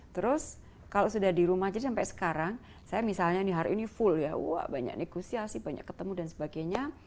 terus kalau sudah di rumah aja sampai sekarang saya misalnya hari ini full ya wah banyak negosiasi banyak ketemu dan sebagainya